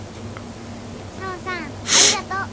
沙和さんありがとう。